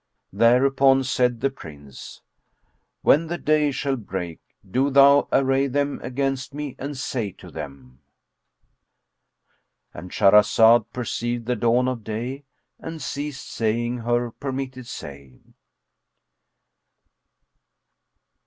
Thereupon said the Prince, "When the day shall break, do thou array them against me and say to them"—And Shahrazad perceived the dawn of day and ceased saying her permitted say.